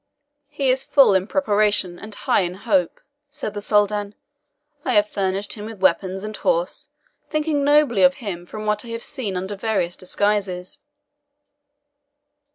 "He is full in preparation, and high in hope," said the Soldan. "I have furnished him with weapons and horse, thinking nobly of him from what I have seen under various disguises."